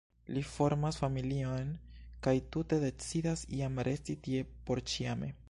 Li formas familion kaj tute decidas jam resti tie porĉiame.